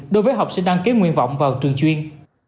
đối với học sinh đăng ký nguyện vọng vào trường chuyên